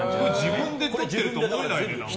自分で撮ってるとは思えないな。